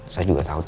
saya juga takut